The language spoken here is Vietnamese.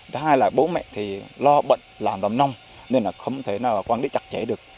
thứ hai là bố mẹ thì lo bệnh làm nông nên là không thể nào quản lý chặt chẽ được